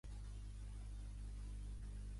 De què formaven par aquestes escenes?